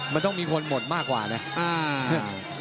มันต้องมีคนหมดมากกว่านะ